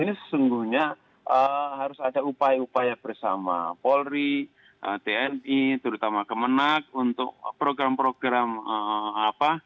ini sesungguhnya harus ada upaya upaya bersama polri tni terutama kemenang untuk program program apa